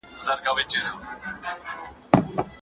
د اقتصادي پرمختګ اساس علم او تخنیک دی.